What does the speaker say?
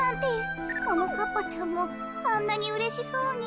ももかっぱちゃんもあんなにうれしそうに。